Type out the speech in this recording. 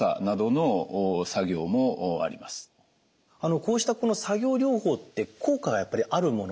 こうしたこの作業療法って効果はやっぱりあるもの高いんですか？